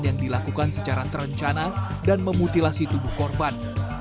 yang dilakukan secara terencana dan memutilasi tubuh korban